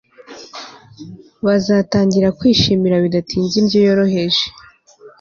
bazatangira kwishimira bidatinze indyo yoroheje